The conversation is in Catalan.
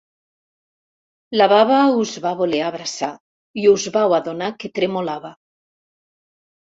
La baba us va voler abraçar i us vau adonar que tremolava.